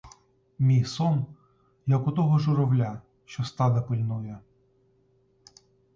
Мій сон, як у того журавля, що стада пильнує.